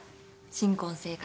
新婚生活。